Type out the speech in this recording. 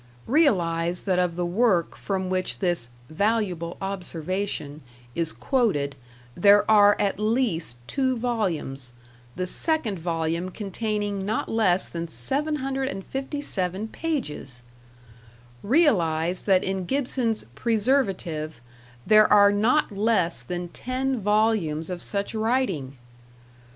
Realize that of the work from which this "valuable observation" is quoted, there are at least two volumes, the second volume containing not less than 757 pages I Realize that in Gibson's "Preservative" there are not less than ten volumes of such writing!